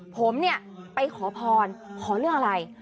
ผมเนี่ยไปขอพรขอเรื่องอะไร